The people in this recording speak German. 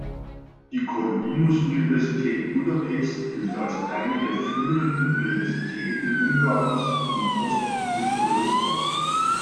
Die Corvinus-Universität Budapest gilt als eine der führenden Universitäten Ungarns und Ostmitteleuropas.